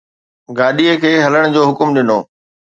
گاڏيءَ کي هلڻ جو حڪم ڏنو